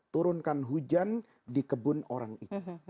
turunkan hujan di kebun orang itu